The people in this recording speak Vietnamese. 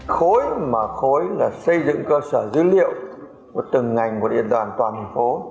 khối mà khối là xây dựng cơ sở dữ liệu của từng ngành của điện đoàn toàn thành phố